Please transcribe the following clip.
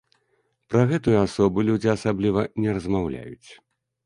Пра гэтую асобу людзі асабліва не размаўляюць.